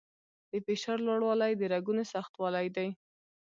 د فشار لوړوالی د رګونو سختوالي دی.